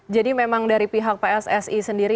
jadi memang dari pihak pssi sendiri